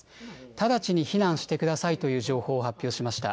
直ちに避難してくださいという情報を発表しました。